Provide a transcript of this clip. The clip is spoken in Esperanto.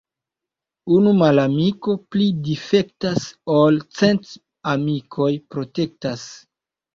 Unu malamiko pli difektas, ol cent amikoj protektas.